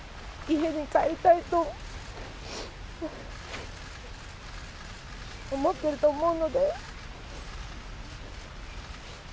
家に帰りたいと、思っていると思うので。